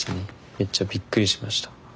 めっちゃびっくりしました。